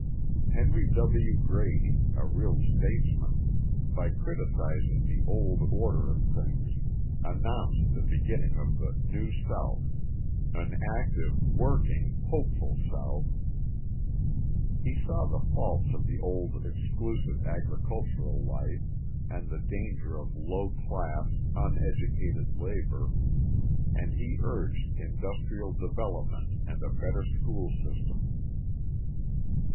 Henry W. Grady, a real statesman, by criticising the old order of things, announced the beginning of the "New South" an active, working, hopeful South. He saw the faults of the old exclusive agricultural life and the danger of low class, uneducated labour, and he urged industrial development and a better school system.